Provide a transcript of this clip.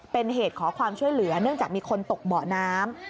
เป็นเหตุขอความช่วยเหลือเนื่องจากมีคนตกเบาะน้ำ